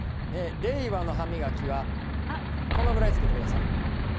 令和の歯磨きは、このくらいつけてください。